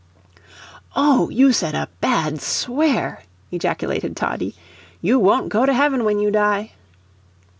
"Oh, you said a bad swear!" ejaculated Toddie. "You won't go to heaven when you die."